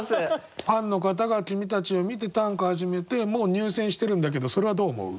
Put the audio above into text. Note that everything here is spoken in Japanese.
ファンの方が君たちを見て短歌始めてもう入選してるんだけどそれはどう思う？